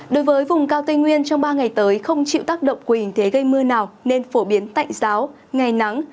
đối với vùng cao tây nguyên trong ba ngày tới không chịu tác động của hình thế gây mưa nào nên phổ biến tạnh giáo ngày nắng